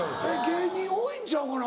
芸人多いんちゃうかな